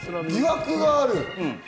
疑惑ある？